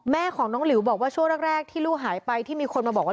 แม่ของน้องหลิวบอกว่าช่วงแรกที่ลูกหายไปที่มีคนมาบอกว่า